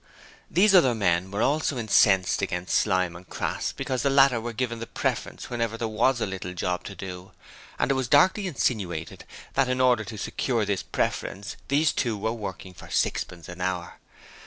These other men were also incensed against Slyme and Crass because the latter were given the preference whenever there was a little job to do, and it was darkly insinuated that in order to secure this preference these two were working for sixpence an hour.